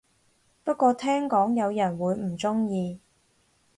不過聽講有人會唔鍾意